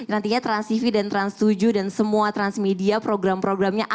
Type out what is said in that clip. nantinya transtv dan trans tujuh dan semua transmedia program programnya